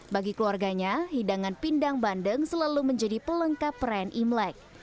bagi keluarganya hidangan pindang bandeng selalu menjadi pelengkap perayaan imlek